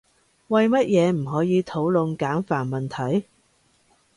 為乜嘢唔可以討論簡繁問題？